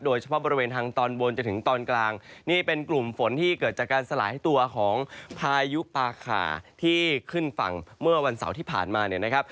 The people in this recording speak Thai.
โดยเฉพาะบริเวณทางตอนบนจนถึงตอนกลางนี่เป็นกลุ่มฝนที่เกิดจากการสลายตัวของพายุปาขาที่ขึ้นฝั่งเมื่อวันเสาร์ที่ผ่านมาเนี่ยนะครับ